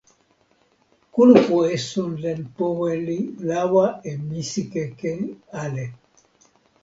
kulupu esun len powe li lawa e misikeke ale.